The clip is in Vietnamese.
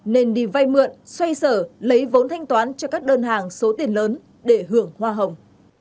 nên đi vay mượn xoay sở lấy vốn thanh toán cho các đơn hàng số tiền lớn để hưởng hoa hồng